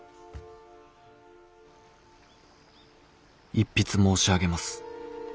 「一筆申し上げます。